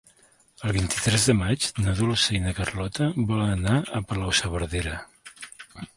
El vint-i-tres de maig na Dolça i na Carlota volen anar a Palau-saverdera.